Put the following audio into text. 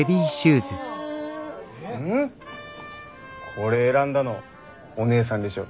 これ選んだのお義姉さんでしょ？